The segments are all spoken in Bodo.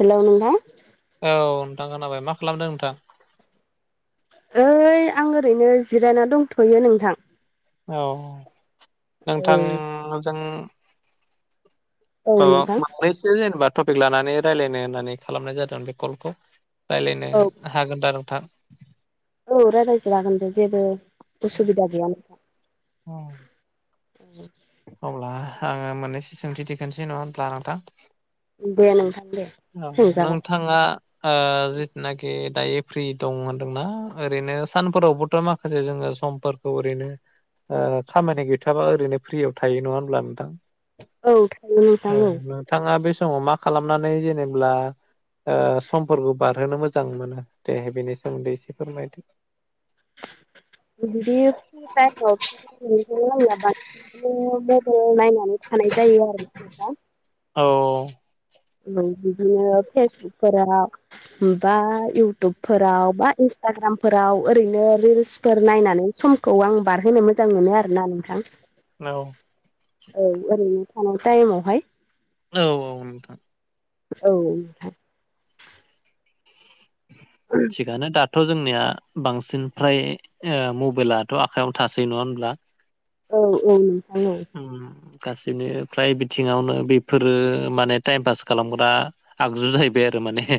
हेलौ नोंथां औ नोंथां खोनाबाय मा खालामदों नोंथां? ओइ आं ओरैनो जिरायना दंथयो नोंथां औ औ नोंथांजों अ नोंथां मोननैसो जेनेबा टपिक लानानै रायज्लायनो होननानै खालामनाय जादों बे कलखौ। रायज्लायनो हागोन दा नोंथां औ रायज्लाय जागोनदे जेबो उसुबिदा गैयाना। औ [inaudible] अब्ला आङो मोननैसो सोंथि दिखांनोसै नङा होनब्ला नोंथां? दे नोंथां दे औ सोंजागोन नोंथाङा ओ जिथुनाखि दा एप्रि दं होनदोंना ओरैनो सानफोरावबोथ मा आरो जोङो समफोरखौ ओरैनो ओ खामानि गैथाबा ओरैनो फ्रियाव थायो नङा होनब्ला नोंथां? औ थायो नोंथां औ नोंथाङा बे समाव मा खालामनानै जेनेब्ला ओ समफोरखौ बारहोनो मोजां मोनो दे बेनि सोमोन्दै एसे फोरमायदो। बिदि [unintelligible] गासिबो नायनानै थानाय जायो आरो खायफा औ बिदिनो फेसबुकफोरा बा इउटुबफोराव बा इन्सटाग्रामफोराव ओरैनो रिल्स फोर नायनानै समखौ आं बारहोनो मोजां मोनो आरोना नोंथां। औ औ ओरैनो थानाय टाइमावहाय औ औ नोंथां औ नोंथां थिगानो दा थ जोंनिया बांसिन फ्राय ओ मबाइलाथ आखयावनो थासै नङा होनब्ला? औ औ नोंथां औ उम गासिबो फ्राय बिथिङावनो बेफोरो माने टाइम पास खालामग्रा आगजु जाहैबाय आरो माने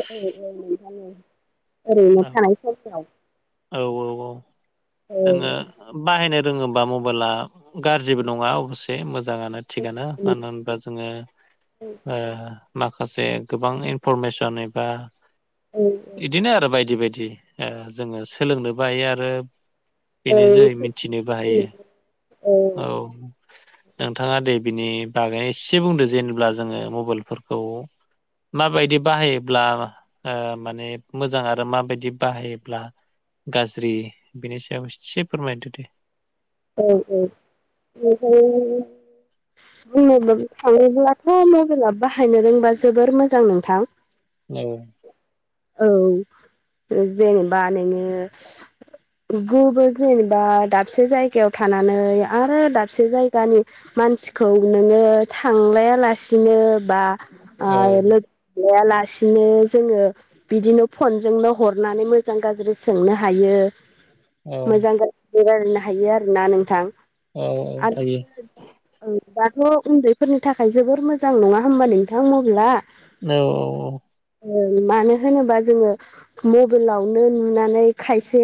औ औ नोंथां औ ओरैनो थानाय समफ्राव औ औ औ औ औ जोङो औ बाहायनो रोङोबा मबाइला गाज्रिबो नङा अबसे मोजाङानो। थिगानो मानो होनबा जोङो ओ माखासे गोबां इनफरमेसन एबा औ बिदिनो आरो बायदि बायदि जोङो सोलोंनो बायो आरो बेनि औ जोहै मिथिनोबो हायो औ नोंथाङा दे बिनि बागै एसे बुंदो जेनेब्ला जोङो मबाइलफोरखौ माबायदि बाहायोब्ला ओ माने मोजां आरो माबायदि बाहायोब्ला गाज्रि बेनि सायाव एसे फोरमायदो दे औ औ नोंथां बुंनो थाङोब्ला मबाइला बाहायनो रोंबा जोबोर मोजां नोंथां औ औ जेनेबा नोङो गुबाव जेनेबा दाबसे जाय गायाव थानानै आरो दाबसे जायगानि मानसिखौ नोङो थांलायालासिनो बा औ ओ लो हमलायालासिनो जोङो बिदिनो फनजोंनो हरनानै मोजां गाज्रि सोंनो हायो औ मोजां गाज्रि रायलायनो हायो आरोना नोंथां औ औ हायो आरो ओ दाथ' उन्दैफोरनि थाखाय जोबोर मोजां नङा होमबा नोंथां मबाइला औ औ औ ओं मानो होनोबा जोङो मबाइलावनो नुनानै खायसे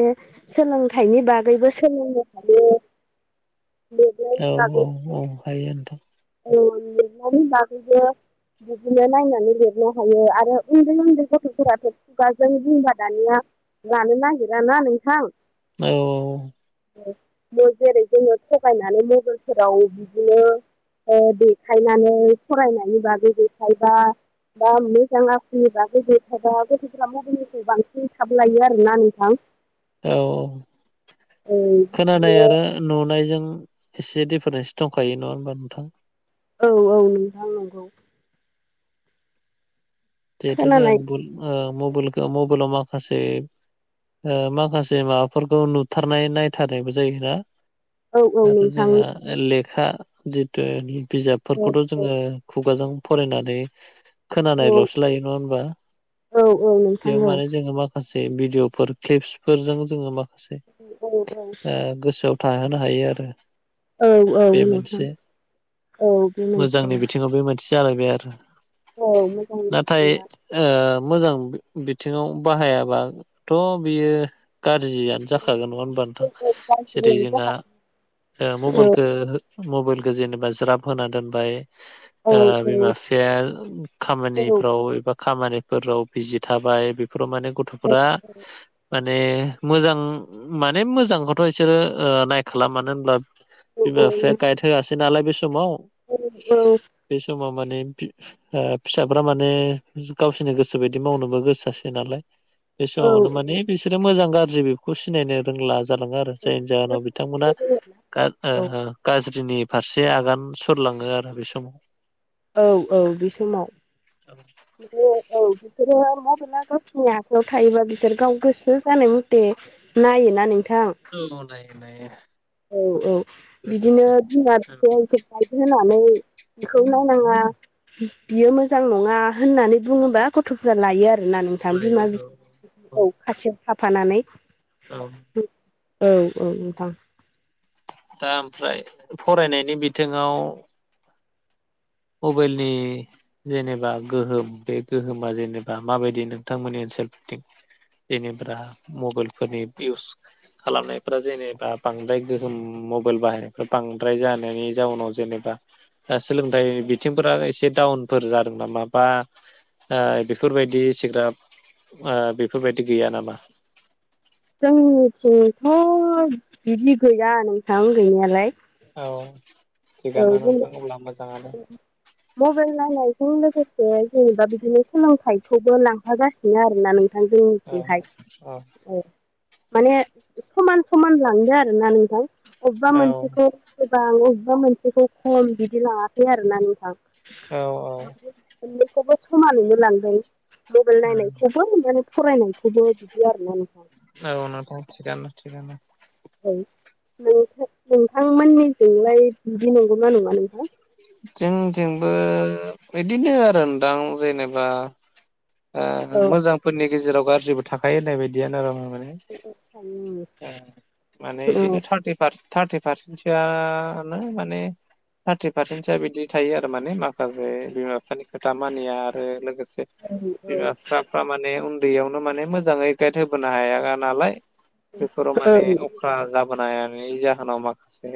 सोलोंथाइनि बागैबो सोलोंनो हायो लिरनायनि औ बागै औ औ हायो नोंथां औ [unintelligible] नि बागैबो बिदिनो नायनानै लिरनो हायो आरो उन्दै उन्दै गथ'फोराथ' खुगाजों बुंबा दानिया लानो नागिरा ना नोंथां औ जेरै जोङो थगायनानै मबेलफोराव बिदिनो ओ देखायनानै फरायनायनि बागै देखायबा दा मोजां आखलनि बागै देखायबा गथ'फ्रा मबाइलनिफ्राय बांसिन थाबलायो आरोना नोंथां औ औ बिदिनो खोनानायानो नुनायजों एसे डिफारेन्स दंखायो नङा होमबा नोंथां औ औ नोंथां नंगौ जिहेथु खोनानाय जोंहा मबाइल ओ मबाइलाव माखासे ओ माखासे माबाफोरखौ नुथारनाय नायथारनायबो जायोना औ औ आरो नोंथां जोंहा लेखा जितु औ बिजाबफोरखौथ' जोङो खुगाजों फरायनानै औ खोनानायल'सो लायो नङा होनबा औ औ नोंथां बेयाव औ माने जोङो मा माखासे भिडिअफोर क्लिप्सफोरजों जोङो माखासे औ औ गोसोआव थाहोनो हायो आरो औ औ बे नोंथां मोनसे औ बे मोजांनि मोनसे बिथिङाव बे मोनसे जालायबाय आरो औ मोजांनि नाथाय बिथिङा ओ मोजां बिथिङाव बाहायाबाथ' बियो गाज्रि जाखागोन नङा होमबा औ नोंथां औ औ जेरै जोंहा मबाइलखौ मबाइलखौ जेनेबा ज्राब होना दोनबाय ओ बिमा बिफाया खामानिफ्राव एबा खामानिफोराव बिजि थाबाय फोराव माने गथ'फोरा माने मोजां माने मोजांखौथ' बिसोरो ओ नायखाला मानो होनब्ला बिमा बिफाया गाइड होआसै नालाय बे समाव औ औ। बे समाव माने ओ फिसा फोरा माने गावसोरनि गोसो बायदि मावनोबो गोसो जासै नालाय बे समावनो माने बिसोरो मोजां गाज्रि बेखौ सिनायनो रोंला जालाङो आरो जायनि जाहोनाव बिथांमोना औ गाज्रिनि फारसे आगान सुरलाङो आरो बे समाव। औ औ बे समाव। औ। औ बिसोरो मबेला गावसोरनि आखायाव थायोबा बिसोर गाव गोसो जानाय मथे नायोना नोंथां? औ नायो नायो। औ औ बिदिनो लोगोसे बिमा औ बिफाया मोनसे गाइड होनानै बेखौ नायनाङा। बियो मोजां नङा होननानै बुङोबा गथ'फ्रा लायो आरोना नों नोंथां बिमा लायो औ औ बिफाया खाथियाव थाफानानै औ। औ औ नोंथां। दा ओमफ्राय फरायनायनि बिथिङाव मबाइलनि जेनेबा गोहोम बे गोहोमा जेनेबा माबायदि नोंथांमोननि ओनसोलफोरथिं जेनेबा मबाइलफोरनि इउस खालामनायफ्रा जेनेबा बांद्राय गोहोम मबाइल बाहायनायफ बांद्राय जानायनि जाउनाव जेनेबा दा सोलोंथाय। बिथिंफोरा एसे डाउनफोर जादों नामा बा बेफोरबायदि सिग्राब बेफोरबायदि गैया नामा? जोंनिथिंथ' बिदि गैया नोंथां गैनायालाय। औ औ थिगानो जों नोंथां अब्ला मोजाङानो। मबाइल नायनायजों लोगोसे जेनेबा बिदिनो सोलोंथाइखौबो लांफागासिनो आरोना नों नोंथां औ जोंनिथिहाय औ। माने समान समान लांदो आरो ना नोंथां अबेबा औ मोनसेखौ गोबां अबेबा मोनसेखौ खम बिदि लङाखै आरोना नोंथां। औ औ। मोननैखौबो समानैनो लांदों मबाइल उम नायनायखौबो मोननानै फरायनायखौबो बिदि आरोना नोंथां। औ नोंथां थिगानो। औ नोंथ नोंथांमोननिजोंलाय बिदि नंगौ ना नङा नोंहा। जोंजोंबो बिदिनो आरोदां जेनेबा औ मोजांफोरनि गेजेराव गाज्रिबो थाखायो होननाय बायदियानो आं माने औ माने बिदिनो थार्टिफारसेन थारटि पारसेन्टसोआनो माने थार्टि पारसेन्टसोआ बिदि थायो आरो माने मा माखासे बिमा बिफानि खोथा मानिया आरो लोगोसे बिमा- बिफ्रा फ्रा माने उन्दैयावनो माने मोजाङै गाइड होबोनो हाय नालाय बेफोराव माने फ्रा जाबोनायनि जाहोनाव माखासे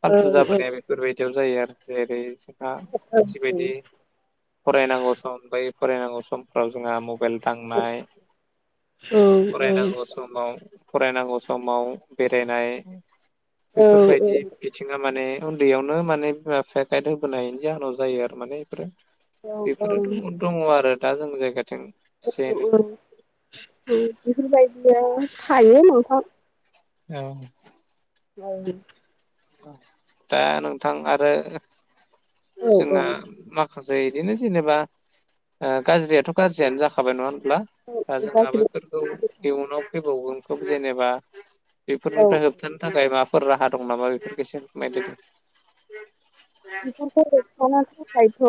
फालथु जाबोनाया बे बेफोरबायदियाव जायो आरो जेरै जोंहा जिबायदि फरायनांगौ सम ब फरायनांगौ समफोराव जोंहा मबाइल थांनाय फरायनांगौ। समाव फरायनांगौ समाव बेरायनाय औ बेफोरबायदि बिथिङा माने उन्दैयावनो माने बिमा बिफाया गायद होबोनायनि जाहोनाव जायो आरो माने बेफोरो औ औ बेफोरोथ' दङ आरो दा जों जायगाथिं एसे एनै बेफोरबायदिया थायो नों औ औ दा नोंथां आरो औ जोङा मा माखासे बिदिनो जेनेबा गाज्रियाथ' गाज्रियानो जाखाबाय नङा होनब्ला? दा जोंहा गासिबो बैफोरखौ इयुनाव फैबावगोनखौ जेनेबा औ बेफोरनिफ्राय होबथानो थाखाय माबाफोर राहा दं नामा बेफोरफोरखौसो फोरमायदों। बिफोरखौ होबथानो थाखायथ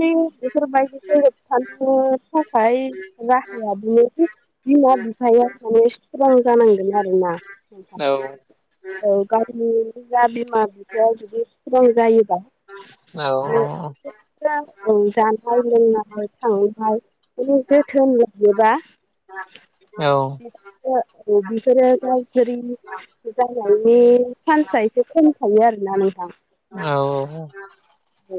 न बेफोरबायदिखौ होबथानो थाखाय राहाया बिनि बिमा बिफाया माने स्त्रं जानांगोन आरो औ औ गावनि जा बिमा बिफाया जुदि स्त्रं जायोबा औ औ माने औ औ जानाय लोंनाय थांनाय बे जोथोन लायोबा औ [unintelligible] चान्सा एसे खम थायो आरोना नोंथां औ औ औ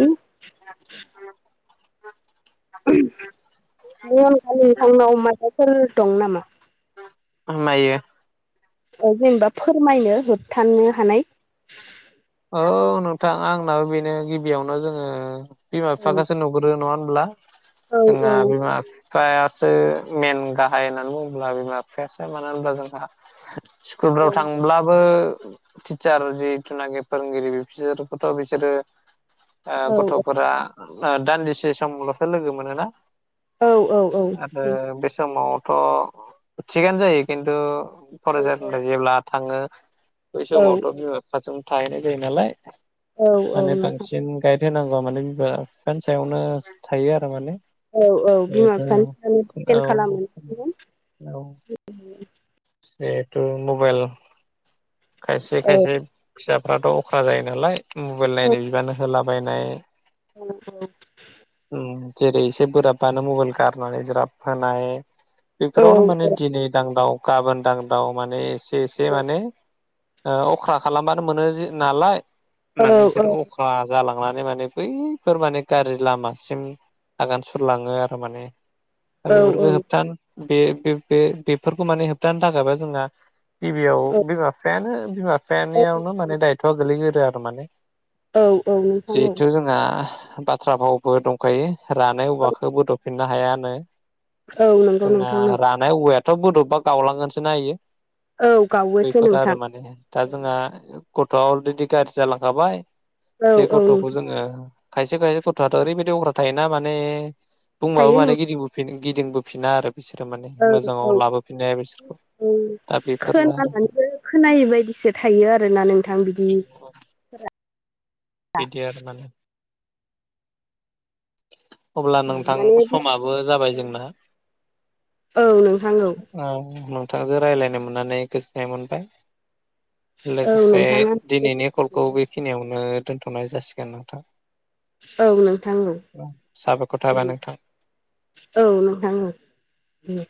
उम बे अनगा नोंथांनाव माइबाफोर दं नामा? आं नायो जेनेबा फोरमायनो होबथानो हानाय औ नोंथां आंनाबो बेनो गिबियावनो जोङो बिमा औ बिफााखासो नुग्रोरो नङा होनब्ला? औ जोंना बिमा बिफायासो मेन गाहाय होननानै बुङोब्ला बिमा बिफायासो मानो होनब्ला जोंहा औ स्कुलफोराव थांब्लाबो टिचार जितु नागिर फोरोंगिरि बिसोरखौथ बिसोरो गथ'फोरा दान्दिसे समलसो लोगो मोनोना औ आरो बे समावथ थिगानो जायो खिन्थु फरायसानिफ्राय जेब्ला थाङो बै औ समावथ बिमा बिफाजों थाहैनाय जायो नालाय औ औ माने नोंथां बांसिन गाइड होनांगौआ माने बिबा बिफानि सायावनो थायो आरो माने औ औ बिमा जिहेथु बिफानि सायावनो दिपेन औ खालामो। औ जिहेथु मबाइल औ नोंथां खायसे खायसे फिसाफ्राथ अखा जायो नालाय मबाइल नायनो बिबान होलाबायनाय औ औ जेरै एसे बोराबानो मबाइल गारनानै ज्राब होनाय बेफोरावनो माने दिनै दांदाव गाबोन दांदाव माने एसे एसे माने अख्रा खालामबानो मोनो नालाय माने बिसोरो अ- जालांनानै माने बैफोर माने गाज्रि लामासिम आगान सुरलाङो आरो माने दा बेफोरखौ होबथानो बे बे बेफोरखौ माने होबथानो थाखायबा जोंना गिबियाव बिमा बिफायानो बिमा बिफानियावनो माने दायथआ गोगलैग्रोरो आरो माने औ औ नोंथां औ आ बाथ्रा भावबो दंखायो रानाय औवाखौ बोदफिननो हायाानो औ नंगौ जोंना नोंथां नंगौ रानाय औवायाथ बदबबा गावलांगोनसो ना इयो। औ गावोसो बेफोर आरो नोंथां माने दा जोंहा गथ'आ अलरेडि गाज्रि जालांखाबाय औ बे औ गथ'खौ नोंथां जोङो खायसे खायसे गथ'आथ ओरैबायाददि अख्रा थायोना माने बुंबाबो थायो माने नोंथां गिदिर गिदिंबोफिना आरो। बिसोरो माने औ औ मोजाङाव लाबोफिननो हाया बिसोरखौ दा बेफोरनो आरो। खोनायि बायदिसो थायो आर ना नोंथां। बिदि [unintelligible] बिदि आरो माने। अब्ला नोंथां माने समाबो जाबाय जोंना। औ नोंथां औ नोंथांजों रायज्लायनो मोननानै गोजोननाय मोनबाय। औ लोगोसे नोंथाङा दिनैनि कलखौ बेखिनियावनो दोनथनाय जासिगोन नोंथां। औ नोंथां औ साबायख थाबाय नोंथां। औ नोंथां औ।